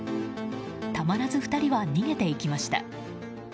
たまらず２人は逃げていきました。